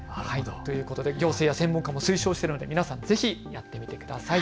ということで行政や専門家も推奨しているのでぜひやってみてください。